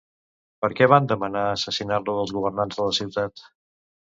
Per què van demanar assassinar-lo els governants de la ciutat?